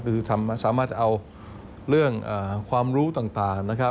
คือสามารถเอาเรื่องความรู้ต่าง